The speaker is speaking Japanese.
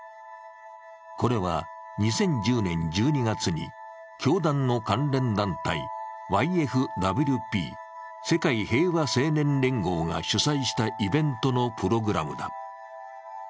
これは、２０１０年１２月に教団の関連団体、ＹＦＷＰ＝世界平和青年連合が主催したイベントのプログラムだ。